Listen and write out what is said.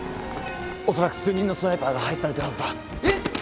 おそらく数人のスナイパーが配置されてるはずだ。えっ！？